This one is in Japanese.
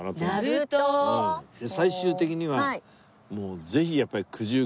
最終的にはぜひやっぱり。